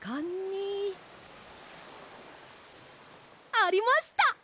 ありました！